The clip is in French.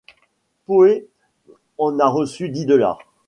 Poe en a reçu dix dollars.